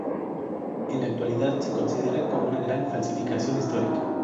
En la actualidad se considera como una gran falsificación histórica.